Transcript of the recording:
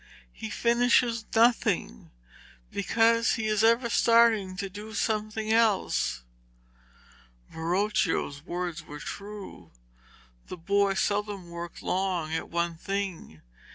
He finishes nothing, because he is ever starting to do something else.' Verocchio's words were true; the boy seldom worked long at one thing.